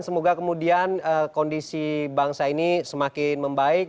semoga kemudian kondisi bangsa ini semakin membaik